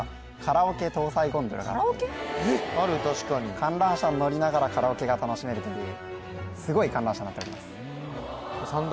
カラオケ？ある確かに観覧車に乗りながらカラオケが楽しめるというすごい観覧車になっております